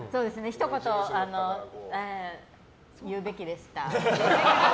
ひと言、言うべきでした。